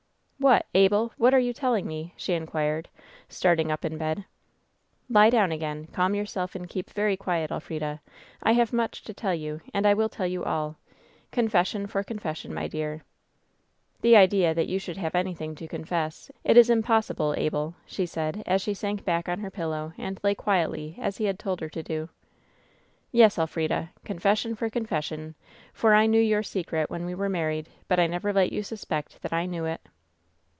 "What, Abel! What are you telling me?" she in quired, starting up in bed. "Lie down again. Calm yourself and keep very quiet, Elfrida. I have much to tell you, and I will tell you all. Confession for confession, my dear." "The idea that you should have anything to confess ! It is impossible, Abel !" she said, as she sank back on her pillow and lay quietly as he had told her to do. "Yes, Elfrida ! Confession for confession ! for I knew your secret when we married, but I never let you suspect that I knew it."